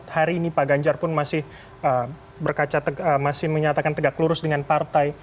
hari ini pak ganjar pun masih menyatakan tegak lurus dengan partai